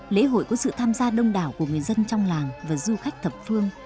lễ hội có sự tham gia đông đảo của người dân trong làng và du khách thập phương